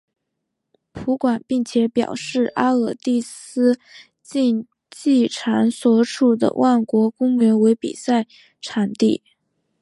葡广并且表示阿尔蒂斯竞技场所处的万国公园为比赛场地。